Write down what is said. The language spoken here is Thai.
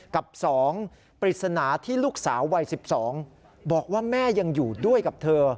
กับ๒ปริศนาที่ลูกสาววัย๑๒บอกว่าแม่ยังอยู่ด้วยกับเธอ